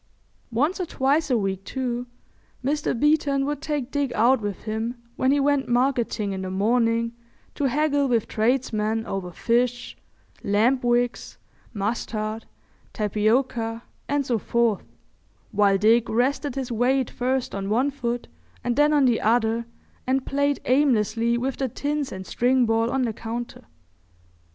Once or twice a week, too, Mr. Beeton would take Dick out with him when he went marketing in the morning to haggle with tradesmen over fish, lamp wicks, mustard, tapioca, and so forth, while Dick rested his weight first on one foot and then on the other and played aimlessly with the tins and string ball on the counter.